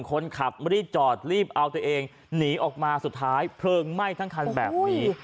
คนขับรีบจอดรีบเอาตัวเองหนีออกมาสุดท้ายเพลิงไหม้ทั้งคันแบบนี้